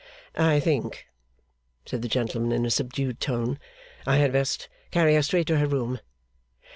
'I think,' said the gentleman in a subdued tone, 'I had best carry her straight to her room.